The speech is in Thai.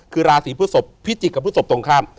คือราศีพฤศพพิจิกกับพฤศพตรงข้าม